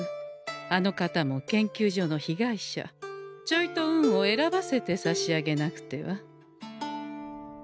あの方も研究所の被害者ちょいと運を選ばせてさしあげなくては。